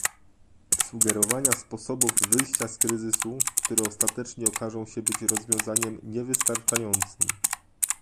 sugerowania sposobów wyjścia z kryzysu, które ostatecznie okażą się być rozwiązaniem niewystarczającym